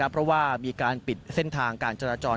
เพราะว่ามีการปิดเส้นทางการจราจร